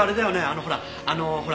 あのほらあのほら。